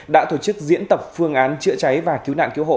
đã tổ chức diễn tập phương án chữa cháy và cứu nạn cứu hộ